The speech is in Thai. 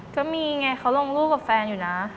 ก็มีไงเขาลงรูปกับแฟนอยู่นะ